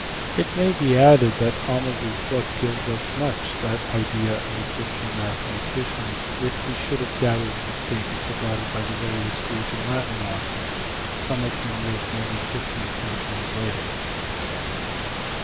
It may be added that Ahmes s book gives us much that idea of Egyptian mathematics which we should have gathered from statements about it by various Greek and Latin authors, some of whom lived nearly fifteen centuries later.